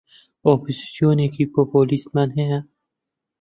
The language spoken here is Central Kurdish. ئۆپۆزسیۆنێکی پۆپۆلیستمان هەیە